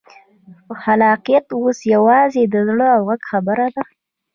خلاقیت اوس یوازې د زړه او غږ خبره ده.